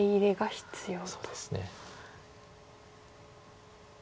そうですね。